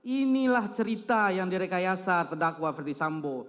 inilah cerita yang direkayasa terdakwa ferdi sambo